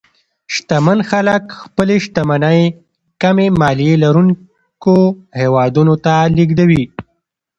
شتمن خلک خپلې شتمنۍ کمې مالیې لرونکو هېوادونو ته لېږدوي.